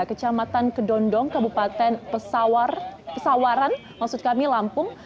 kecamatan kedondong kabupaten pesawaran maksud kami lampung